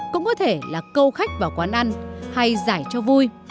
cũng có thể là câu khách vào quán ăn hay giải cho vui